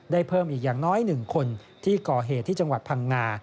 เพิ่มอีกอย่างน้อย๑คนที่ก่อเหตุที่จังหวัดพังงา